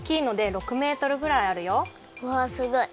うわすごい。